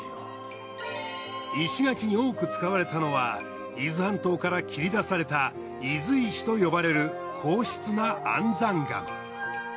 石垣に多く使われたのは伊豆半島から切り出された伊豆石と呼ばれる硬質な安山岩。